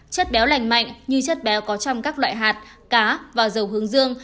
chất béo lành mạnh như chất béo có trong các loại hạt cá và dầu hướng dương